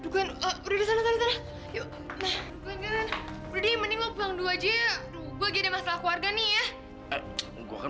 gue berani mending bengdu aja gue jadi masalah keluarga nih ya